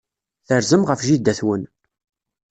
Terzam ɣef jida-twen.